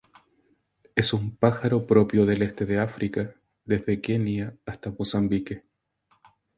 Es un pájaro propio del este de África, desde Kenya hasta Mozambique.